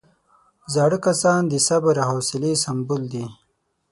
زاړه کسان د صبر او حوصلې سمبول دي